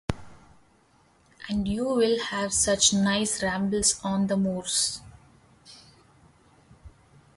And you will have such nice rambles on the moors.